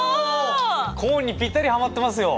コーンにぴったりはまってますよ！